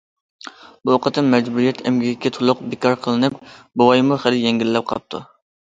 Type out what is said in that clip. بۇ قېتىم مەجبۇرىيەت ئەمگىكى تولۇق بىكار قىلىنىپ، بوۋايمۇ خېلى يەڭگىللەپ قاپتۇ.